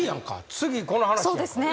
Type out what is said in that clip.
次この話やんか。